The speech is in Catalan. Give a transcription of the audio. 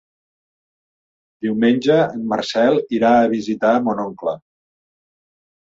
Diumenge en Marcel irà a visitar mon oncle.